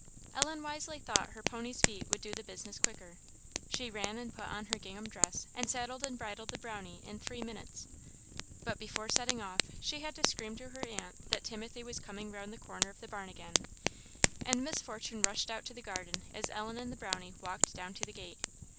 Ellen wisely thought her pony's feet would do the business quicker. She ran and put on her gingham dress, and saddled and bridled the Brownie in three minutes; but, before setting off, she had to scream to her aunt that Timothy was just coming round the corner of the barn again; and Miss Fortune rushed out to the garden as Ellen and the Brownie walked down to the gate.